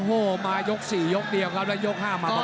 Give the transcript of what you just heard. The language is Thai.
โอ้โหมายก๔ยกเดียวครับแล้วยก๕มาต่อ